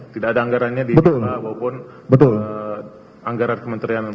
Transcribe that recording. tidak ada anggarannya di kita maupun anggaran kementerian